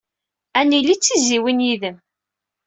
Ad nili d tizzyiwin yid-m.